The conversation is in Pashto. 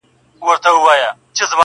• اه بې خود د اسمان ستوري په لړزه کړي..